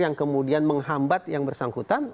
yang kemudian menghambat yang bersangkutan